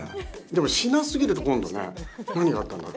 でもしなすぎると今度ね何があったんだ